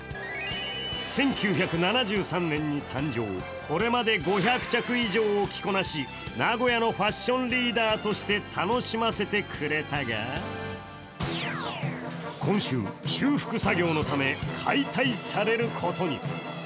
１９７３年に誕生、これまで５００着以上を着こなし、名古屋のファッションリーダーとして楽しませてくれたが今週、修復作業のため解体されることに。